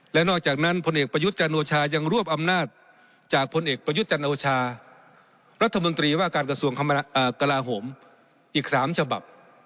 และนอกจากนั้นพลเอกประยุทธ์จันโอชายังรวบอำนาจจากพลเอกประยุทธ์จันโอชารัฐมนตรีว่าการกระทรวงกลาโหมอีก๓ฉบับ